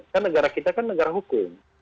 karena negara kita kan negara hukum